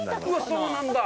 そうなんだ！